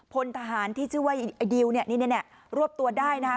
พลทหารที่ชื่อว่าไอ้ดิวเนี่ยนี่รวบตัวได้นะคะ